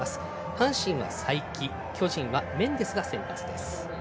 阪神は才木巨人はメンデスが先発。